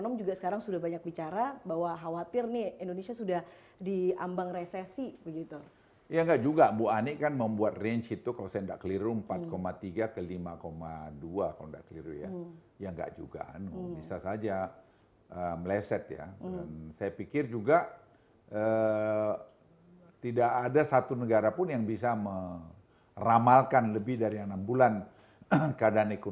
menyisir lagi proyek proyek